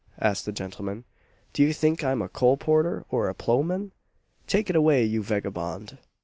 asked the gentleman. "Do you think I'm a coal porter, or a ploughman? Take it away, you vagabond!